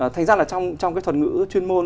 thành ra là trong cái thuật ngữ chuyên môn